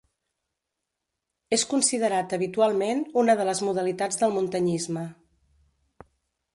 És considerat habitualment una de les modalitats del muntanyisme.